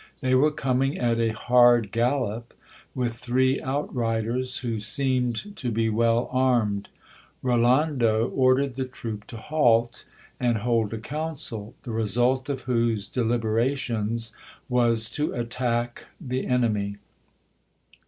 They were coming at a hard gallop, with three outriders, who seemed to be well armed. Rolando GIL BLAS. ordered the troop to halt, and hold a council, the result of whose deliberations was to attack the enemy.